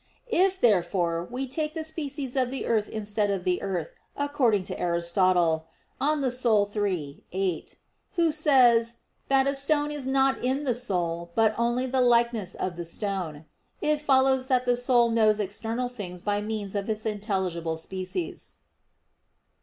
If, therefore, we take the species of the earth instead of the earth, according to Aristotle (De Anima iii, 8), who says "that a stone is not in the soul, but only the likeness of the stone"; it follows that the soul knows external things by means of its intelligible species.